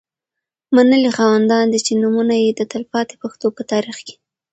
منلي خاوندان دي. چې نومونه یې د تلپا تي پښتو په تاریخ کي